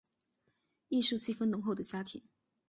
艺术气氛浓厚的家庭